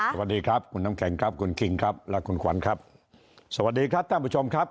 สวัสดีครับคุณน้ำแข็งครับคุณคิงครับและคุณขวัญครับสวัสดีครับท่านผู้ชมครับ